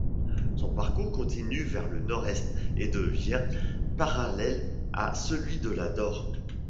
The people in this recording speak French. Son parcours continue vers le nord-est et devient parallèle à celui de la Dore.